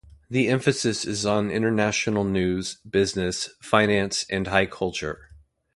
The emphasis is on international news, business, finance, and high culture.